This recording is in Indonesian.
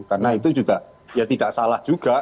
karena itu juga ya tidak salah juga